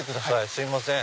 すいません。